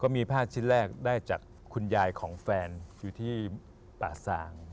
มีผ้าชิ้นแรกได้จากคุณยายของแฟนอยู่ที่ป่าสาง